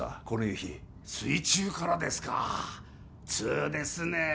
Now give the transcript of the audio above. この夕日水中からですか通ですね